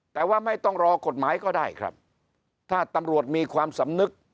แต่ว่าไม่ต้องรอกฎหมายก็ได้ครับถ้าตำรวจมีความสำนึก